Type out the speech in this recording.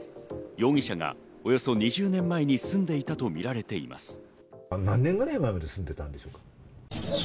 容疑者がおよそ２０年前に住んでいたとみられています。